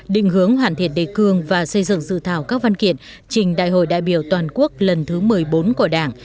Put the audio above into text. định hướng hoàn thiện đề cương và xây dựng dự thảo các văn kiện trình đại hội đại biểu toàn quốc lần thứ một mươi bốn của đảng